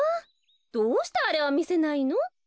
どうしてあれはみせないの？え！